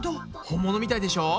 本物みたいでしょう？